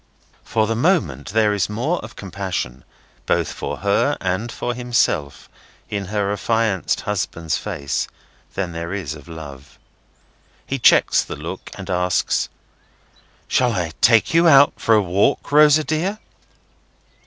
For the moment there is more of compassion, both for her and for himself, in her affianced husband's face, than there is of love. He checks the look, and asks: "Shall I take you out for a walk, Rosa dear?"